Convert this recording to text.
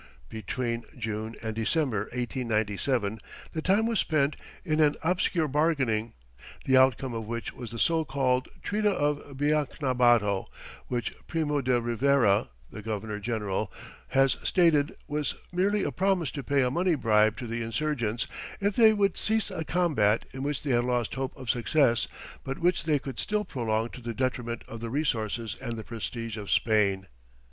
Between June and December, 1897, the time was spent in an obscure bargaining, the outcome of which was the so called Treaty of Biacnabato, which Primo de Rivera the governor general has stated was merely a promise to pay a money bribe to the insurgents if they would cease a combat in which they had lost hope of success but which they could still prolong to the detriment of the resources and the prestige of Spain.